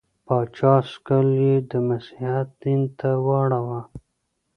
پاچا سکل یې د مسیحیت دین ته واړاوه.